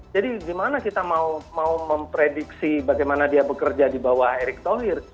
jadi bagaimana kita mau memprediksi bagaimana dia bekerja di bawah erik thohir